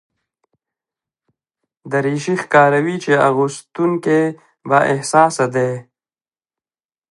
دریشي ښکاروي چې اغوستونکی بااحساسه دی.